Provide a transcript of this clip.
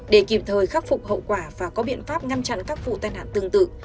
để kịp thời khắc phục hậu quả và có biện pháp ngăn chặn các vụ tai nạn tương tự